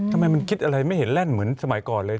ทำไมมันคิดอะไรไม่เห็นแล่นเหมือนสมัยก่อนเลย